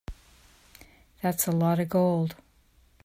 That's a lot of gold.